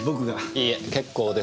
いいえ結構ですよ。